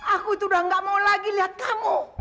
aku itu udah gak mau lagi lihat kamu